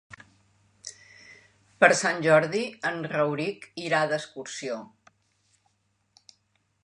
Per Sant Jordi en Rauric irà d'excursió.